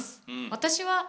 私は。